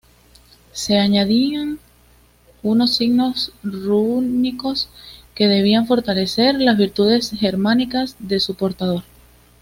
Se añadían unos signos rúnicos que debían fortalecer las "virtudes germánicas" de su portador.